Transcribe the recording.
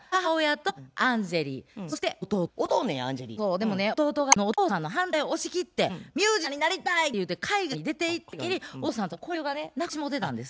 でもね弟がねお父さんの反対押し切って「ミュージシャンになりたい」って言うて海外に出ていったっきりお父さんとはもう交流がなくなってしもうてたんです。